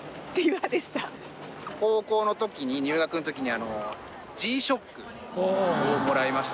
高校の時に入学の時にＧ−ＳＨＯＣＫをもらいました